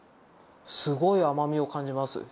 すごい甘みを感じます。